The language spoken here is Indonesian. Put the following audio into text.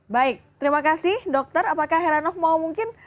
baik terima kasih dokter apakah heranov mau mungkin